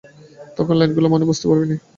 তখন লাইনগুলোর মানে বুঝতে পারি নি।